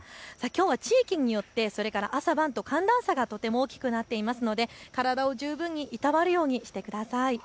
地域によって、それから朝晩と寒暖差が大きくなっているので体を十分にいたわるようにしてください。